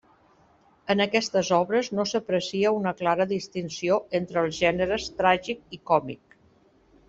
En aquestes obres no s'aprecia una clara distinció entre els gèneres tràgic i còmic.